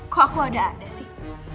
kok aku ada ada sih